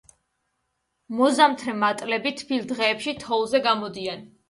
მოზამთრე მატლები თბილ დღეებში თოვლზე გამოდიან.